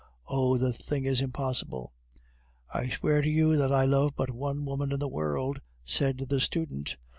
Oh! the thing is impossible!" "I swear to you that I love but one woman in the world," said the student.